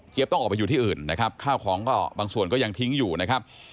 ต้องออกไปอยู่ที่อื่นนะครับข้าวของก็บางส่วนก็ยังทิ้งอยู่นะครับ